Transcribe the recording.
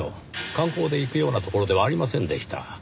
観光で行くような所ではありませんでした。